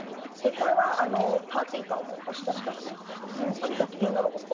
これはパーティー感を押し出したご機嫌なロボットなんですけど。